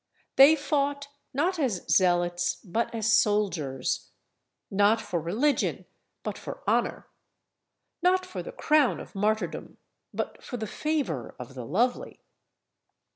They fought, not as zealots, but as soldiers; not for religion, but for honour; not for the crown of martyrdom, but for the favour of the lovely.